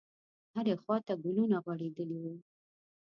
هرې خواته ګلونه غوړېدلي وو.